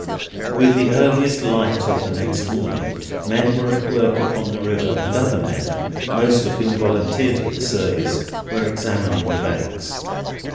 With the earliest light of the next morning, men were at work upon the river, and other men—most of whom volunteered for the service—were examining the banks.